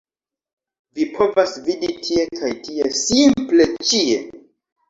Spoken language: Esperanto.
Vi povas vidi tie kaj tie - simple ĉie